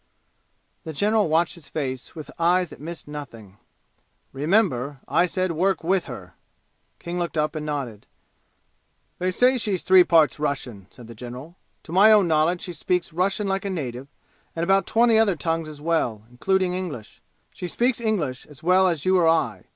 The general watched his face with eyes that missed nothing. "Remember I said work with her!" King looked up and nodded. "They say she's three parts Russian," said the general. "To my own knowledge she speaks Russian like a native, and about twenty other tongues as well, including English. She speaks English as well as you or I.